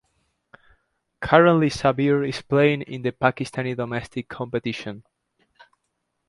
Currently Shabbir is playing in the Pakistani domestic competition.